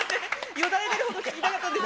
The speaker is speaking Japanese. よだれ出るほど聞きたかったんです。